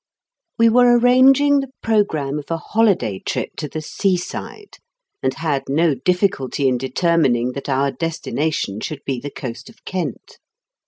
We were arranging the programme of a hoMay trip to the seaside, and had no difficulty in determining that our destination should be the coast of Kent.